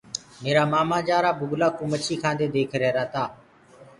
ميرآ مآمآ جآرآ بُگلآ ڪوُ مڇيٚ کآندي ديک رهرآ تآ۔